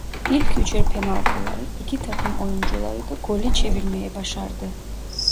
İlk üçer penaltıları iki takım oyuncuları da gole çevirmeyi başardı.